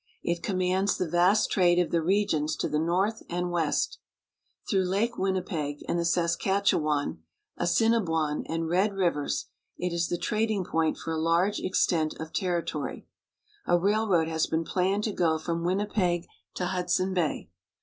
It commands the vast trade of the regions to the north and west. Through Lake Winnipeg, and the Saskatchewan, Assiniboine, and Red rivers, it is the trading point for a large extent of territory. A railroad has been planned to go from Winnipeg to Hudson Bay.